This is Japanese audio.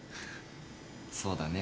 そうだね。